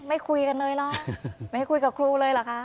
ไม่คุยกันเลยเหรอไม่ให้คุยกับครูเลยเหรอคะ